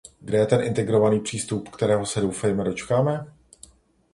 Kde je ten integrovaný přístup, kterého se, doufejme, dočkáme?